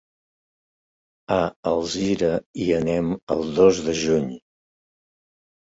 A Alzira hi anem el dos de juny.